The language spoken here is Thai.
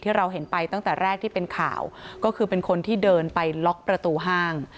เราเห็นไปตั้งแต่แรกที่เป็นข่าวก็คือเป็นคนที่เดินไปล็อกประตูห้าง